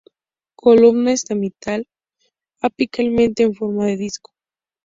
Columna estaminal apicalmente en forma de disco.